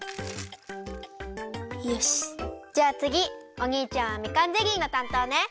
おにいちゃんはみかんゼリーのたんとうね！